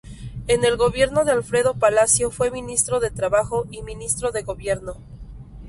En el gobierno de Alfredo Palacio fue Ministro de Trabajo y Ministro de Gobierno.